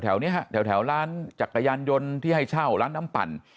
แถวนี้ฮะแถวร้านจักรยานยนต์ที่ให้เช่าร้านน้ำปั่น